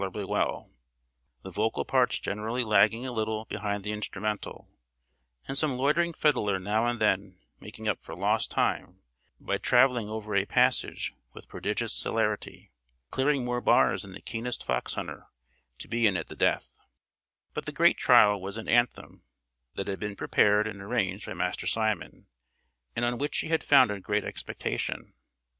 The usual services of the choir were managed tolerably well, the vocal parts generally lagging a little behind the instrumental, and some loitering fiddler now and then making up for lost time by travelling over a passage with prodigious celerity, and clearing more bars than the keenest fox hunter, to be in at the death. But the great trial was an anthem that had been prepared and arranged by Master Simon, and on which he had founded great expectation.